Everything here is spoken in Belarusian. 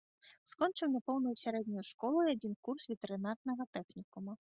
Скончыў няпоўную сярэднюю школу і адзін курс ветэрынарнага тэхнікума.